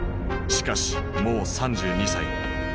しかしもう３２歳。